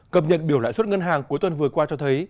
cập nhật biểu lãi suất ngân hàng cuối tuần vừa qua cho thấy